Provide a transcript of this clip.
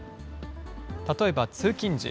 例えば通勤時。